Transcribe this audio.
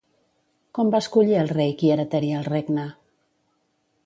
Com va escollir el rei qui heretaria el regne?